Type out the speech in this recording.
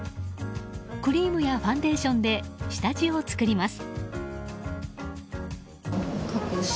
クリームやファンデーションで下地を作ります。